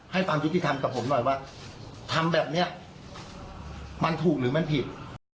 ความยุติธรรมกับผมหน่อยว่าทำแบบนี้มันถูกหรือมันผิด